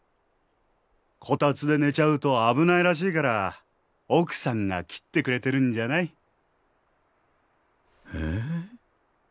こたつで寝ちゃうと危ないらしいから奥さんが切ってくれてるんじゃない？え？